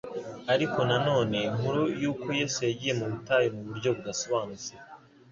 Ariko na none inkuru yuko Yesu yagiye mu butayu mu buryo budasobanutse